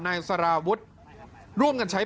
นายสารวุฒิร่วมกันใช้